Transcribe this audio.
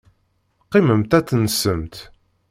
Qqimemt ad tensemt.